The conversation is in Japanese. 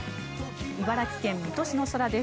茨城県水戸市の空です。